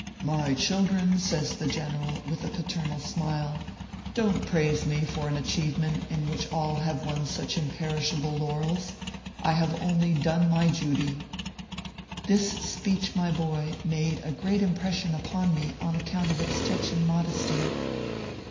" My children," says the general, with a paternal smile, " don t praise me for an achievement in which ORPHEUS C. KERB PAPERS. 313 all have won such imperishable laurels. I have only done my jooty." This speech, my boy, made a great impression upon me on account of its touching modesty.